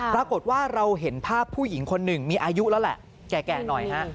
ปรากฏว่าเราเห็นภาพผู้หญิงคนหนึ่งมีอายุแล้วแหละแก่หน่อยฮะ